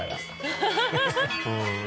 ハハハ